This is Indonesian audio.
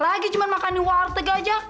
lagi cuma makan di warteg aja